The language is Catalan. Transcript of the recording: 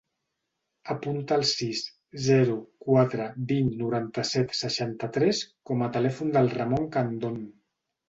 Apunta el sis, zero, quatre, vint, noranta-set, seixanta-tres com a telèfon del Ramon Candon.